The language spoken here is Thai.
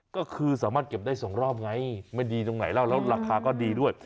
ก็คือสามารถเก็บได้สองรอบไงไม่ดีตรงไหนแล้วแล้วราคาก็ดีด้วย